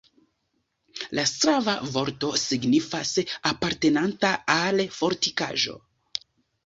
La slava vorto signifas: apartenanta al fortikaĵo.